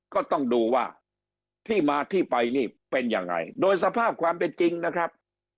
ก็ต้องดูว่าที่มาที่ไปนี่เป็นยังไงโดยสภาพความเป็นจริงนะครับ